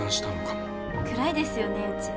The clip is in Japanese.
暗いですよねうち。